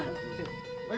wah gua laporan